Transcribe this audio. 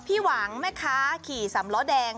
พี่หวังแม่ค้าขี่สำล้อแดง